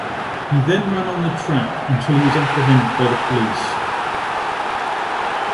He then ran on the track until he was apprehended by the police.